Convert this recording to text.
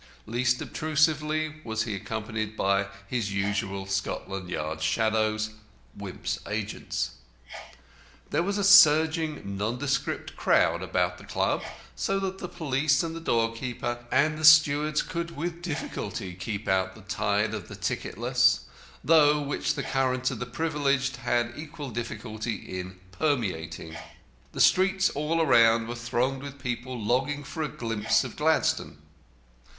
Least obtrusively was he accompanied by his usual Scotland Yard shadows, Wimp's agents. There was a surging nondescript crowd about the Club, so that the police, and the doorkeeper, and the stewards could with difficulty keep out the tide of the ticketless, through which the current of the privileged had equal difficulty in permeating. The streets all around were thronged with people longing for a glimpse of Gladstone.